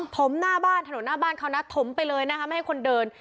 มหน้าบ้านถนนหน้าบ้านเขานะถมไปเลยนะคะไม่ให้คนเดิน